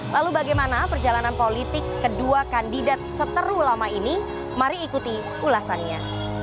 lalu bagaimana perjalanan politik kedua kandidat seteru lama ini mari ikuti ulasannya